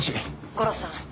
悟郎さん。